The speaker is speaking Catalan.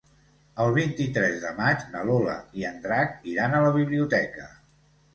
El vint-i-tres de maig na Lola i en Drac iran a la biblioteca.